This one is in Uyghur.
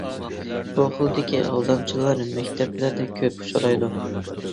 بۇ خىلدىكى ئالدامچىلار مەكتەپلەردە كۆپ ئۇچرايدۇ.